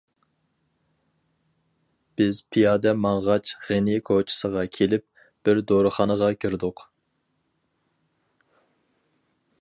بىز پىيادە ماڭغاچ غېنى كوچىسىغا كېلىپ، بىر دورىخانىغا كىردۇق.